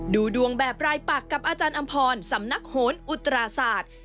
ดูดวงแบบรายปักกับอาจารย์อำพรสำนักโหนอุตราศาสตร์